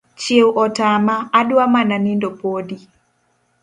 Chieo otama adwa mana nindo podi